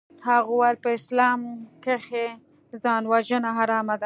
هغه وويل په اسلام کښې ځانوژنه حرامه ده.